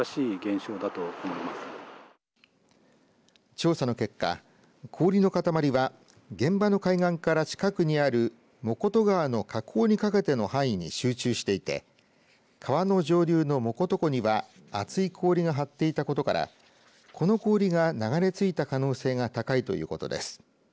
調査の結果氷の塊は現場の海岸から近くにある藻琴川の河口にかけての範囲に集中していて川の上流の藻琴湖には厚い氷が張っていたことからこの氷が流れ着いた可能性が高いということです。